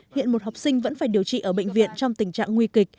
hiện một học sinh vẫn phải điều trị ở bệnh viện trong tình trạng nguy kịch